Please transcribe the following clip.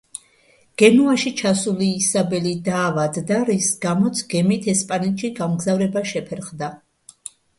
გენუაში ჩასული ისაბელი დაავადდა, რის გამოც გემით ესპანეთში გამგზავრება შეფერხდა.